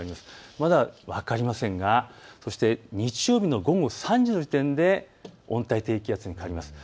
まだ分かりませんが日曜日の午後３時の時点で温帯低気圧に変わります。